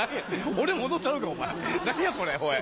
俺も踊ったろうかお前何やこれおい。